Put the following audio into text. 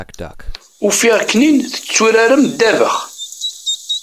Ufiɣ-ken-in tetturarem ddabax.